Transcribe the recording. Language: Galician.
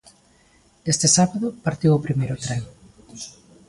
Este sábado partiu o primeiro tren.